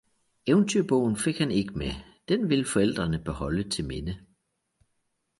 Eventyrbogen fik han ikke med, den ville forældrene beholde til minde.